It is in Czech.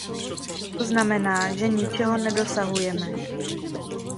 To znamená, že ničeho nedosahujeme!